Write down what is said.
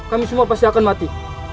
kami semua pasti akan mati